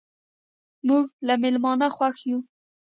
موږ له میلمانه خوښ یو.